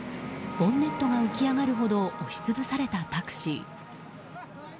ボンネットが浮き上がるほど押し潰されたタクシー。